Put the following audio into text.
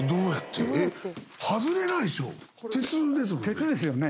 鉄ですよね。